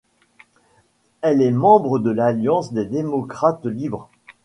Elle est membre de l'Alliance des démocrates libres.